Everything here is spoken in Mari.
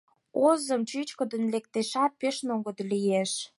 Озым чӱчкыдын лектешат, пеш нугыдо лиеш.